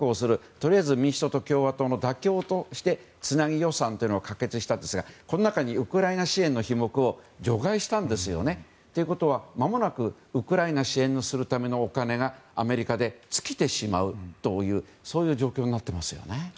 とりあえず民主党と共和党の妥協としてつなぎ予算を可決したんですがこの中にウクライナ支援の費目を除外したんですよね。ということは、まもなくウクライナを支援するためのお金がアメリカで尽きてしまうという状況になっていますよね。